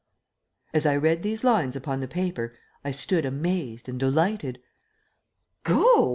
As I read these lines upon the paper I stood amazed and delighted. "Go!"